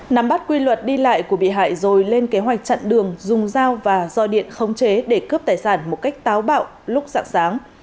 nắm bắt quy luật đi lại của bị hại rồi lên kế hoạch chặn đường dùng dao và roi điện khống chế để cướp tài sản một cách táo bạo lúc dạng sáng